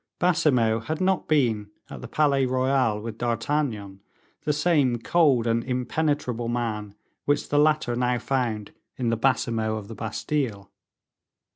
Baisemeaux had not been at the Palais Royal with D'Artagnan the same cold and impenetrable man which the latter now found in the Baisemeaux of the Bastile.